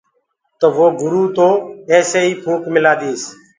تو وو گُروُ تو ايسي ئي ڦونڪ مِلآ ديس۔